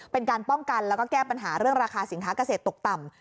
เป็นการป้องกันแล้วก็แก้ปัญหาเรื่องราคาสินค้าเกษตรตกต่ำ